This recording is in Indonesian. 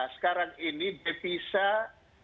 sekarang ini dipisah